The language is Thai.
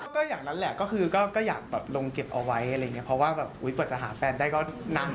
ก็อย่างนั้นแหละอยากลงเก็บเอาไว้เพราะว่าบอกว่าจะหาแฟนได้ก็นั่ง